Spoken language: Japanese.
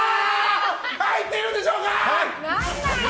入ってるんでしょうか？